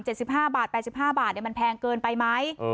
สิบห้าบาทแปดสิบห้าบาทเนี่ยมันแพงเกินไปไหม